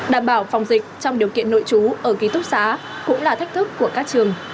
đảm bảo phòng dịch trong điều kiện nội trú ở ký túc xá cũng là thách thức của các trường